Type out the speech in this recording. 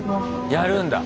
やるんだ。